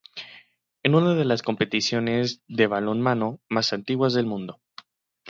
Es una de las competiciones de balonmano más antiguas del mundo.